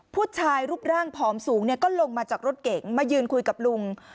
ผู้ชายรูปร่างผอมสูงก็ลงมาจากรถเก๋งมายืนคุยกับลุง